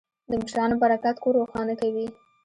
د مشرانو برکت کور روښانه کوي.